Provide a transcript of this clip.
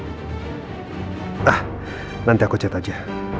nah nanti aku cet aja